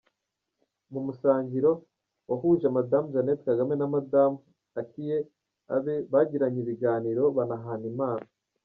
Mu musangiro wahuje Madamu Jeannette Kagame na Madamu Akie Abe bagiranye ibiganiro, banahana impano.